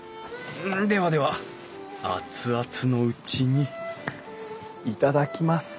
ではでは熱々のうちに頂きます。